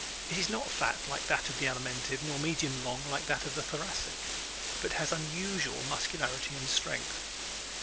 It is not fat like that of the Alimentive nor medium long like that of the Thoracic but has unusual muscularity and strength.